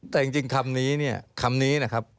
แต่จริงคำนี้เนี่ยคำนี้นะครับ